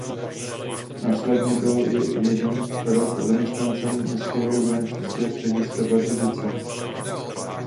Následně byl jeden rok zaměstnancem Městského urbanistického střediska Pardubice.